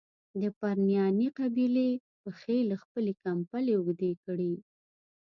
د پرنیاني قبیلې پښې له خپلي کمبلي اوږدې کړي.